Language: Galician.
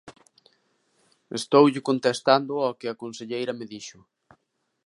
Estoulle contestando ao que a conselleira me dixo.